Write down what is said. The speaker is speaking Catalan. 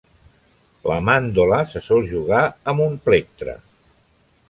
La mandola se sol jugar amb un plectre.